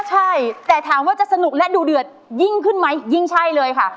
ใช่แต่ถามว่าจะสนุกและดูเดือดยิ่งขึ้นไหมยิ่งใช่เลยค่ะ